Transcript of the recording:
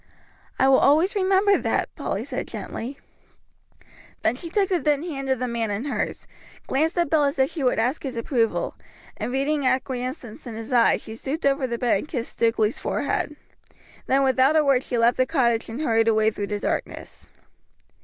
"I will always remember that," Polly said gently. Then she took the thin hand of the man in hers, glanced at Bill as if she would ask his approval, and reading acquiescence in his eyes she stooped over the bed and kissed Stukeley's forehead. Then without a word she left the cottage and hurried away through the darkness.